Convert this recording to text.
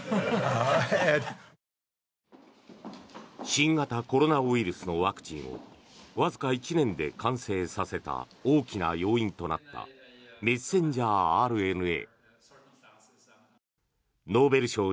新型コロナウイルスのワクチンをわずか１年で完成させた大きな要因となったメッセンジャーＲＮＡ。